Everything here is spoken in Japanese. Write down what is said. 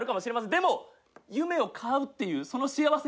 でも、夢を買うっていうその幸せ。